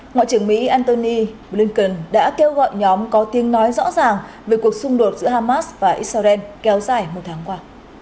ngoại trưởng mỹ antony blinken đã kêu gọi nhóm có tiếng nói rõ ràng về cuộc xung đột giữa hamas và israel kéo dài một tháng qua